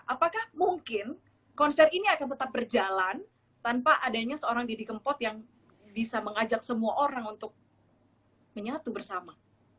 apakah mungkin konser ini akan tetap berjalan tanpa adanya seorang deddy kempot yang bisa mengajak semua orang untuk menyatu bersama